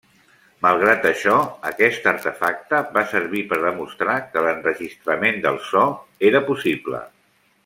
Malgrat això, aquest artefacte va servir per demostrar que l'enregistrament del so era possible.